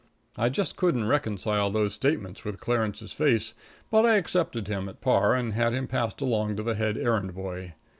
I couldn't just reconcile those statements with Clarence's face, but I accepted him at par and had him passed along to the head errand boy.